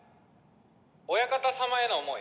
親方様への想い